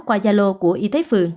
qua gia lô của y tế